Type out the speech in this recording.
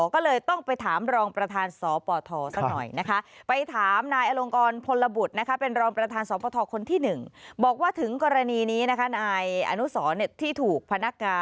ก็เลยต้องไปถามรองประธานสปทสักหน่อยนะคะ